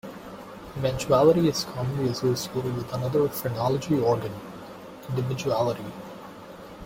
Eventuality is commonly associated with another phrenology organ, Individuality.